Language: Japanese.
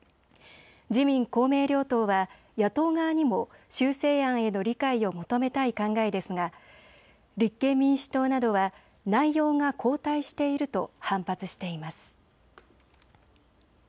自民公明両党は野党側にも修正案への理解を求めたい考えですが立憲民主党などは内容が後退していると反発しています。